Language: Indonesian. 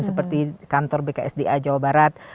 seperti kantor bksda jawa barat